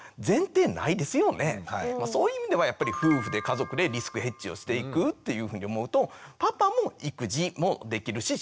そういう意味ではやっぱり夫婦で家族でリスクヘッジをしていくっていうふうに思うとパパも育児もできるし仕事もできる。